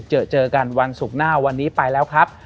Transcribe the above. เจอเจอกันวันศุกร์หน้าวันนี้ไปแล้วครับ